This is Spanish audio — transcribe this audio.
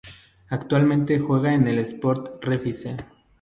Actualmente juega en el Sport Recife.